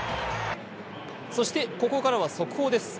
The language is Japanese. そしてここからは速報です。